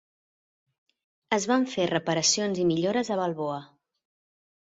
Es van fer reparacions i millores a Balboa.